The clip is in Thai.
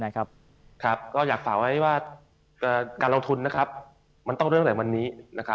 ครับก็อยากฝากไว้ว่าการลงทุนนะครับมันต้องเรื่องแหล่งวันนี้นะครับ